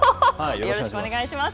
よろしくお願いします。